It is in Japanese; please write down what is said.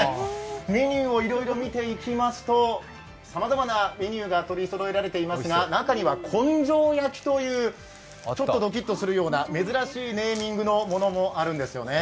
メニューをいろいろ見ていきますと、さまざまなメニューが取りそろえられていますが、中には、こんじょう焼きという、ちょっとドキッとするような、珍しいネーミングのものもあるんですよね。